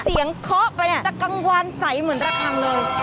เคาะไปเนี่ยจะกังวานใสเหมือนระคังเลย